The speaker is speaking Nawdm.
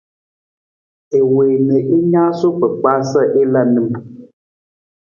I wii na i naasuu kpakpaa sa i la nim.